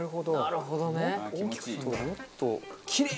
なるほどね。